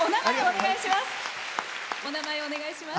お名前お願いします。